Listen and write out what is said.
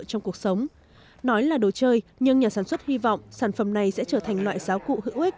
trong cuộc sống nói là đồ chơi nhưng nhà sản xuất hy vọng sản phẩm này sẽ trở thành loại giáo cụ hữu ích